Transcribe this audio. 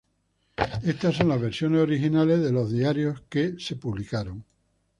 Estas son las versiones originales de los diarios que fueron publicadas.